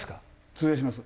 通用します。